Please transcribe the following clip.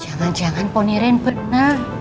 jangan jangan ponirin benar